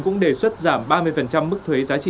cũng đề xuất giảm ba mươi mức thuế giá trị